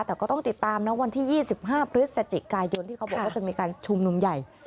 แต่ก็ต้องติดตามนะวันที่๒๕พฤศจิกายนที่เขาบอกว่าจะมีการชุมนุมใหญ่